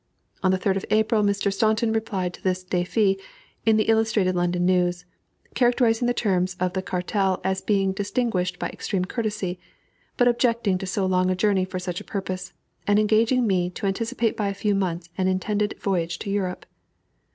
On the 3d of April Mr. Staunton replied to this défi in the Illustrated London News, characterizing the terms of the cartel as "being distinguished by extreme courtesy," but objecting to so long a journey for such a purpose, and engaging me "to anticipate by a few months an intended voyage to Europe."